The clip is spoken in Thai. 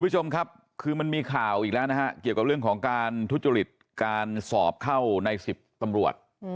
คุณผู้ชมครับคือมันมีข่าวอีกแล้วนะฮะเกี่ยวกับเรื่องของการทุจริตการสอบเข้าใน๑๐ตำรวจ